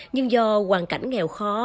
nhưng do hoàn cảnh nghèo khó